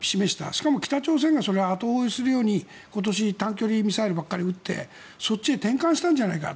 しかも北朝鮮がそれを後追いするように今年、短距離ミサイルばかり打ってそちらに転換したんじゃないか。